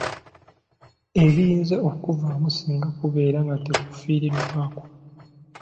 Ebiyinza okukuvaamu singa kubeera nga tekufiiriddwako.